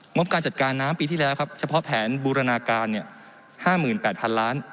บการจัดการน้ำปีที่แล้วครับเฉพาะแผนบูรณาการ๕๘๐๐๐ล้าน